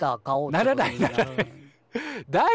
ならないならない。